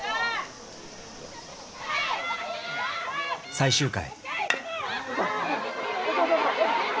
最終回。